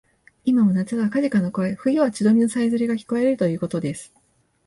いまも夏はカジカの声、冬は千鳥のさえずりがきかれるということです